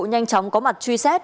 nhanh chóng có mặt truy xét